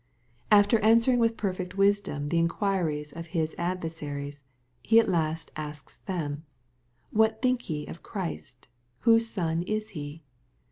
After answering with perfect wisdom the inquiries of His ad» versaries. He at last asks them, "What think ye of Christ ? Whose Son is He